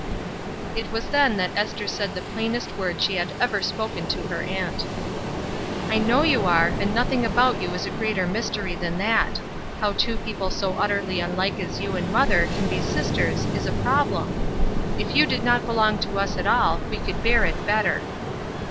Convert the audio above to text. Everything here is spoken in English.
It was then that Esther said the plainest word she had ever spoken to her aunt. "I know you are, and nothing about you is a greater mystery than that: how two people so utterly unhke as you and mother can be sisters is a problem. If you did not belong to us at all, we could bear it better."